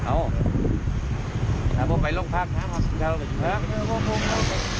เอาเอาไปลงภาพครับ